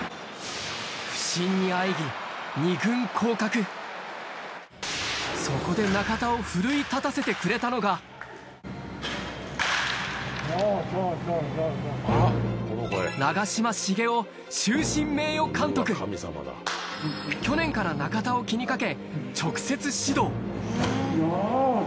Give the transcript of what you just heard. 不振にあえぎそこで中田を奮い立たせてくれたのが去年から中田を気に掛け直接指導